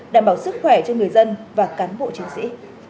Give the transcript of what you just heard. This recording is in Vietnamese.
đảm bảo sức khỏe cho người dân và cán bộ chiến sĩ